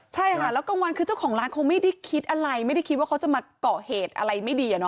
ใช่ค่ะแล้วกลางวันคือเจ้าของร้านคงไม่ได้คิดอะไรไม่ได้คิดว่าเขาจะมาเกาะเหตุอะไรไม่ดี